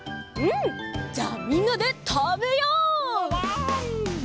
じゃあみんなでたべよう！わわん！